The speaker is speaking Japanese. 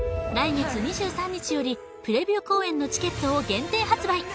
来月２３日よりプレビュー公演のチケットを限定発売